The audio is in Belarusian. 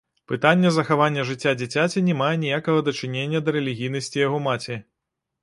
Пытанне захавання жыцця дзіцяці не мае ніякага дачынення да рэлігійнасці яго маці.